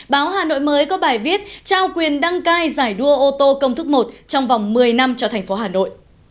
báo hà nội mới có bài viết trao quyền đăng cai giải đua ô tô công thức một trong vòng một mươi năm cho thành phố hà nội